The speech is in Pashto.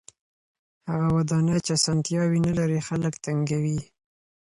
هغه ودانۍ چې اسانتیاوې نلري خلک تنګوي.